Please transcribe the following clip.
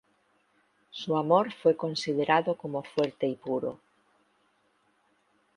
Su amor fue considerado como fuerte y puro.